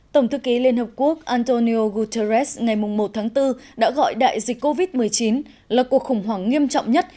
tổng thư ký liên hợp quốc antonio guterres ngày một tháng bốn đã gọi đại dịch covid một mươi chín là cuộc khủng hoảng nghiêm trọng nhất